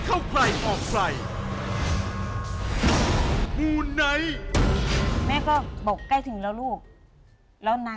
ฉันจะทำแบบนี้